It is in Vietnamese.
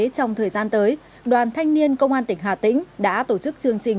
trong thời gian tới đoàn thanh niên công an tỉnh hà tĩnh đã tổ chức chương trình